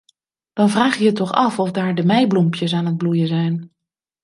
Dan vraag je je toch af of daar de meibloempjes aan het bloeien zijn.